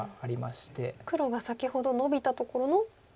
黒が先ほどノビたところの。